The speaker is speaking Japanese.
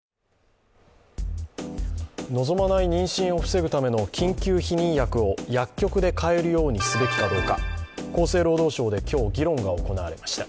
望まない妊娠を防ぐための緊急避妊薬を薬局で買えるようにすべきかどうか厚生労働省で今日、議論が行われました。